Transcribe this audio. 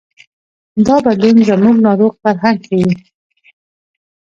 دا بدلون زموږ ناروغ فرهنګ ښيي.